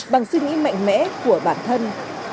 bằng suy nghĩ mạnh mẽ của bản thân